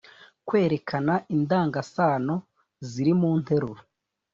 Kwerekana indangasano ziri mu nteruro